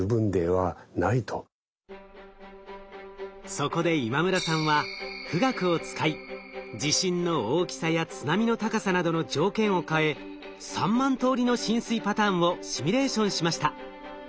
そこで今村さんは富岳を使い地震の大きさや津波の高さなどの条件を変え３万通りの浸水パターンをシミュレーションしました。